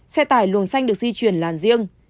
xe tải luồng xanh được di chuyển làn riêng